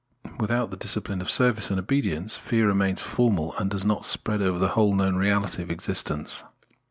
Without the discipline of service and obedience, fear remains formal and does not spread over the whole known reahty of existence.